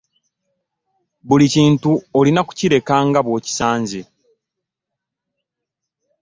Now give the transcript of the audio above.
Buli kintu olina kukireka nga bw'okisanze.